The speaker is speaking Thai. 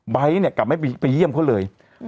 ไบร์ทเนี่ยกลับไม่ไปเยี่ยมเขาเลยอืม